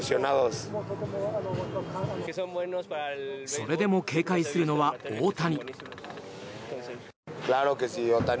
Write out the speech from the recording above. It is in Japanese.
それでも警戒するのは大谷。